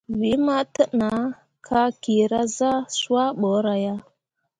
Wee ma təʼnah ka kyeera zah swah bəəra ya.